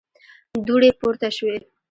دوړې پورته شوې.